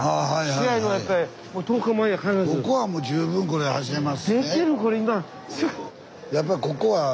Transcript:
ここはもう十分これ走れますしね。